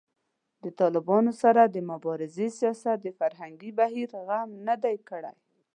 د طالبانو سره د مبارزې سیاست د فرهنګي بهیر غم نه دی کړی